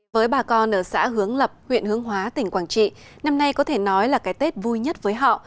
với bà con ở xã hướng lập huyện hướng hóa tỉnh quảng trị năm nay có thể nói là cái tết vui nhất với họ